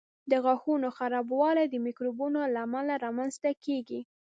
د غاښونو خرابوالی د میکروبونو له امله رامنځته کېږي.